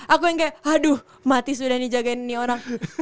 aku yang kayak aduh mati sudah nih jagain ini orang